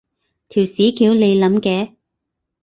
條屎橋你諗嘅？